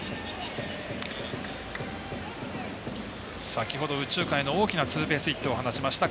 先ほど右中間への大きなツーベースヒットを放ちました。